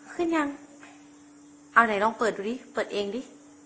ขึ้นยังเอาไหนลองเปิดดูดิเปิดเองดิ